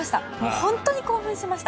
本当に興奮しました。